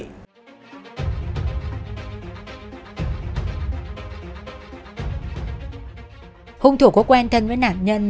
khi hung thủ có quen thân với nạn nhân